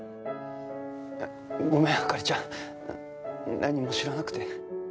ごめん灯ちゃん何も知らなくて。